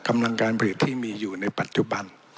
กำลังการผลิตที่มีอยู่ในปัจจุบัน